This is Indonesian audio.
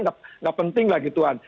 nggak penting lah gituan